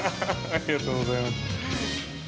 ◆ありがとうございます。